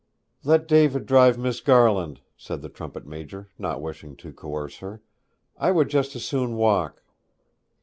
'Let David drive Miss Garland,' said the trumpet major, not wishing to coerce her; 'I would just as soon walk.'